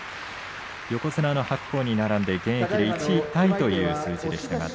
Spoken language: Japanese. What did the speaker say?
横綱の白鵬に並んで現役で１位タイという数字でしたが宝